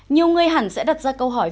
nhiều người hẳn sẽ đặt ra một bài hỏi